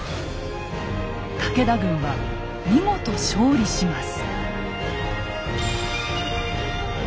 武田軍は見事勝利します。